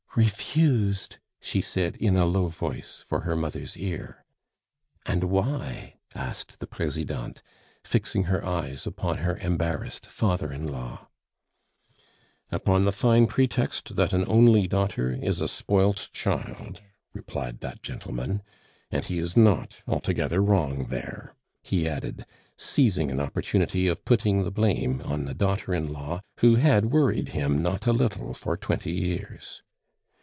"Refused!..." she said in a low voice for her mother's ear. "And why?" asked the Presidente, fixing her eyes upon her embarrassed father in law. "Upon the fine pretext that an only daughter is a spoilt child," replied that gentleman. "And he is not altogether wrong there," he added, seizing an opportunity of putting the blame on the daughter in law, who had worried him not a little for twenty years.